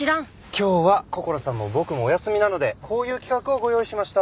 今日はこころさんも僕もお休みなのでこういう企画をご用意しました。